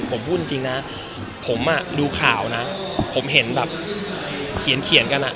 ผมพูดจริงนะผมอ่ะดูข่าวนะผมเห็นแบบเขียนกันอ่ะ